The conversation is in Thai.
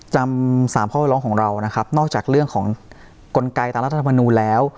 จำ๓ข้อเรียกร้องของเรานะครับนอกจากเรื่องของกลไกตามรัฐธรรมนูลแล้ว